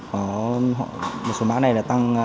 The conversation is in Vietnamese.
có một số mã này là bất động sản